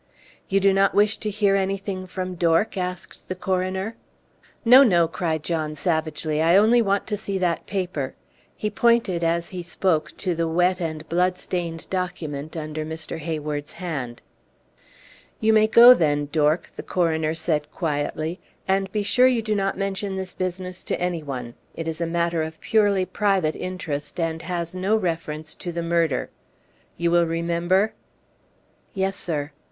"You do not wish to hear anything from Dork?" asked the coroner. "No, no!" cried John, savagely. "I only want to see that paper." He pointed as he spoke to the wet and blood stained document under Mr. Hayward's hand. "You may go, then, Dork," the coroner said, quietly, "and be sure you do not mention this business to any one. It is a matter of purely private interest, and has no reference to the murder. You will remember?" "Yes, sir."